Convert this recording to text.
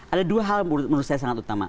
ada dua hal yang menurut saya sangat utama